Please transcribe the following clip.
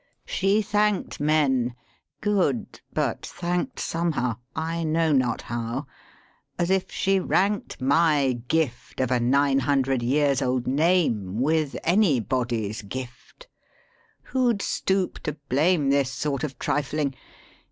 She thanked men, good! but thanked Somehow I know not how as if she ranked My gift of a nine hundred years old name With anybody's gift. Who'd stoop to blame This sort of trifling?